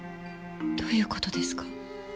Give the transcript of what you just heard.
どういうことですか？